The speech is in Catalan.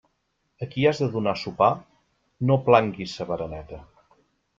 A qui has de donar sopar no planguis sa bereneta.